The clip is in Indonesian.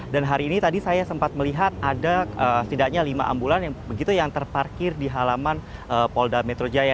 dan hari ini tadi saya sempat melihat ada setidaknya lima ambulans yang terparkir di halaman polda metro jaya